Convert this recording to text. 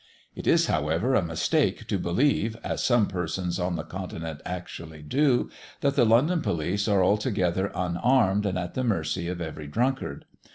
It is, however, a mistake to believe, as some persons on the continent actually do, that the London police are altogether unarmed and at the mercy of every drunkard.